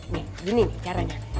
nih gini nih caranya